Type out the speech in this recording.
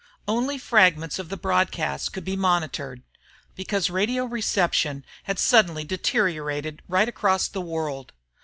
Only fragments of the broadcasts could be monitored, because radio reception had suddenly deteriorated right across the world.